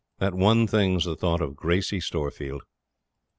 That one thing's the thought of Gracey Storefield.